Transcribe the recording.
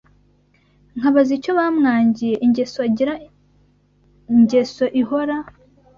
Nkabaza icyo bamwangiye Ingeso agira Ngeso ihora